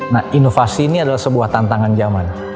nah inovasi ini adalah sebuah tantangan zaman